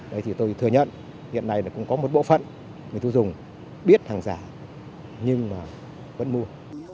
đấy thì tôi thừa nhận hiện nay là cũng có một bộ phận người tiêu dùng biết hàng giả nhưng mà vẫn mua